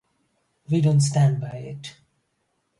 We don't stand by it.